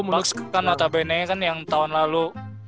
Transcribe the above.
baks kan nota bene kan yang tahun lalu